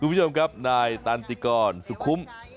คุณผู้ชมครับนายตันติกรสุขุม